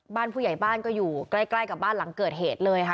ผู้ใหญ่บ้านก็อยู่ใกล้กับบ้านหลังเกิดเหตุเลยค่ะ